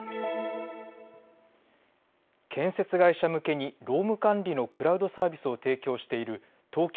建設会社向けに労務管理のクラウドサービスを提供している東京